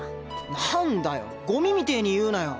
なんだよゴミみてえに言うなよ。